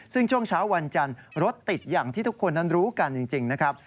ซึ่งช่วงเช้าวันจันทร์รถติดอย่างที่ทุกคนนั้นรู้กันจริงนะครับ